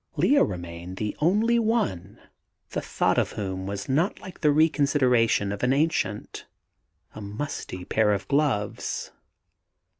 Lea remained the only one the thought of whom was not like the reconsideration of an ancient, a musty pair of gloves.